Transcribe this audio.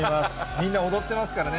みんな踊ってますからね。